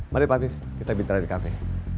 mari pak anies kita bicara di kafe